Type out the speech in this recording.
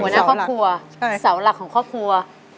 หัวหน้าครอบครัวเสาหลักของครอบครัว